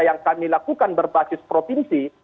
yang kami lakukan berbasis provinsi